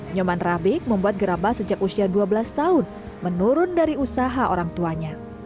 nyoman rabik membuat gerabah sejak usia dua belas tahun menurun dari usaha orang tuanya